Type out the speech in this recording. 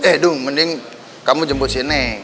eh dung mending kamu jemput si neng